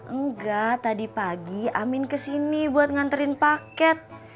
enggak tadi pagi amin kesini buat nganterin paket